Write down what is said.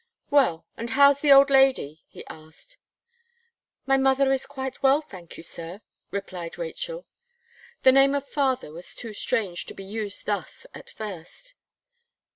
"Well, and how's the old lady?" he asked. "My mother is quite well, thank you. Sir," replied Rachel The name of father was too strange to be used thus at first.